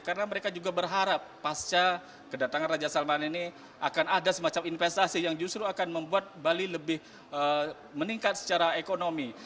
karena mereka juga berharap pasca kedatangan raja salman ini akan ada semacam investasi yang justru akan membuat bali lebih meningkat secara ekonomi